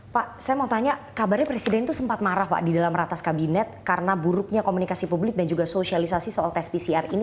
pak saya mau tanya kabarnya presiden itu sempat marah pak di dalam ratas kabinet karena buruknya komunikasi publik dan juga sosialisasi soal tes pcr ini